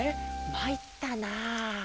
まいったな。